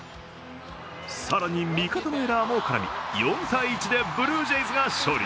更に味方のエラーも絡み４−１でブルージェイズが勝利。